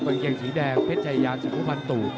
กางเกงสีแดงเพชรชายาสังกุพันตู่